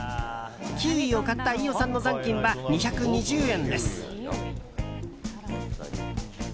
キウイを買った飯尾さんの残金は２２０円です。